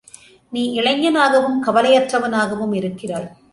நீ இளைஞனாகவும் கவலையற்றவனாகவும் இருக்கிறாய்.